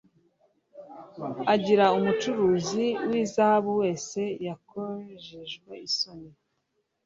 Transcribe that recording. agira umucuzi w izahabu wese yakojejwe isoni